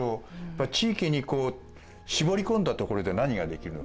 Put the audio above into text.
地域に絞り込んだところで何ができるのか。